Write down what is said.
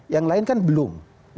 yang lain kan belum